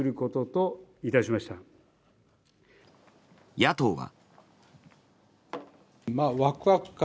野党は。